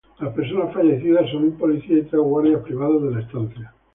Las personas fallecidas son un polícia, y tres guardias privados de la estancia.